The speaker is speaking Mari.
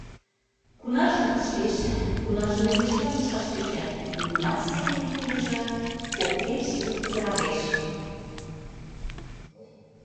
Кунарыжым пуштеш, кунарыже мӧҥгешла нушкаш тӧчат, нунымат Сергейын пуляже поктен шуын пызыралеш.